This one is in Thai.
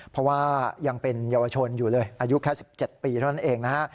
เพราะว่ายังเป็นเยาวชนอยู่เลยอายุแค่๑๗ปีเท่านั้นเองนะฮะ